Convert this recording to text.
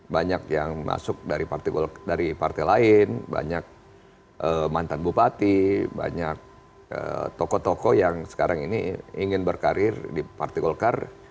banyak yang masuk dari partai lain banyak mantan bupati banyak tokoh tokoh yang sekarang ini ingin berkarir di partai golkar